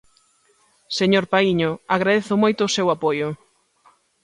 Señor Paíño, agradezo moito o seu apoio.